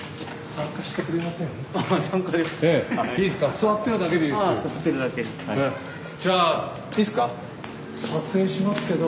座ってるだけでいいです。